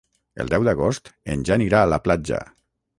El deu d'agost en Jan irà a la platja.